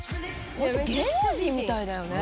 「芸能人みたいだよね」